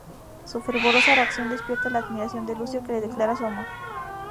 Su fervorosa reacción despierta la admiración de Lucio, que le declara su amor.